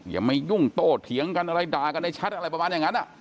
อย่ามายุ่งโตเถียงกันอะไรด่ากันในแชทอะไรประมาณอย่างนั้น